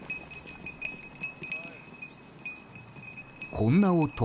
こんな音